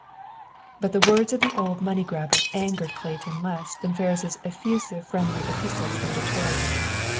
But the words of the old money grabber angered Clayton less than Ferris' effusive friendly epistles from Detroit.